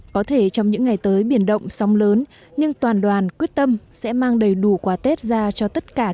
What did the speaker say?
có thể trong những ngày tới biển động sóng lớn nhưng toàn đoàn quyết tâm sẽ mang đầy đủ quà tết ra cho tất cả các nhân viên